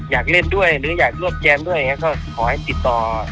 อยากเล่นด้วยหรืออยากร่วมแจมด้วยอย่างนี้ก็ขอให้ติดต่อ